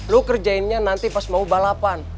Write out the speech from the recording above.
lu kerjainnya nanti pas mau balapan